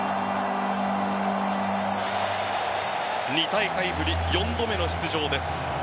２大会ぶり４度目の出場です。